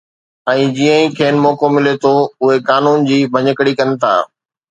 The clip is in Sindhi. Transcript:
۽ جيئن ئي کين موقعو ملي ٿو، اهي قانون جي ڀڃڪڙي ڪن ٿا